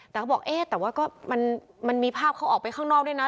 แต่เขาบอกเอ๊ะแต่ว่าก็มันมีภาพเขาออกไปข้างนอกด้วยนะ